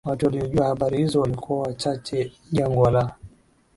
watu waliojua habari hizo walikuwa wachache Jangwa la